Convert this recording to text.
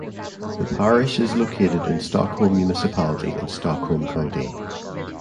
The parish is located in Stockholm Municipality in Stockholm County.